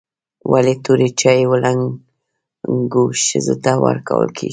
ولي توري چای و لنګو ښځو ته ورکول کیږي؟